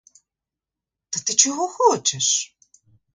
Та ти чого хочеш?